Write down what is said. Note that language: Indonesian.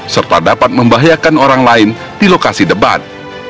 serta dapat membahayakan orang lain di lokasi debat